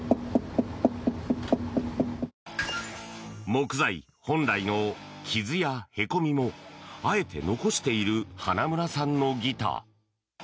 木材本来の傷や凹みもあえて残している花村さんのギター。